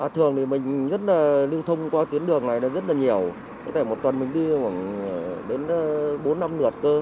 thường thì mình rất là lưu thông qua tuyến đường này rất là nhiều có thể một tuần mình đi khoảng đến bốn năm lượt cơ